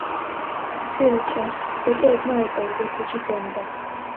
მცირე კვარცხლბეკი ოდნავ აწეულია ქუჩის დონიდან.